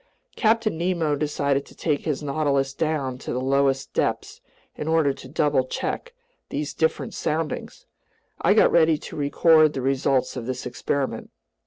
Captain Nemo decided to take his Nautilus down to the lowest depths in order to double check these different soundings. I got ready to record the results of this experiment.